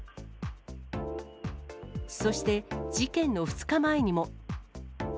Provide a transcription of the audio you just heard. そして事件の２日前にも。